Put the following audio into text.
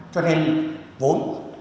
cho nên vốn